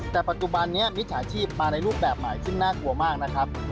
แต่ปัจจุบันนี้มิจฉาชีพมาในรูปแบบใหม่ซึ่งน่ากลัวมากนะครับ